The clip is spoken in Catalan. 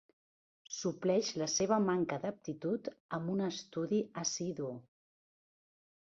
Supleix la seva manca d'aptitud amb un estudi assidu.